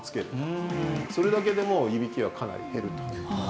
それだけでもいびきはかなり減ると。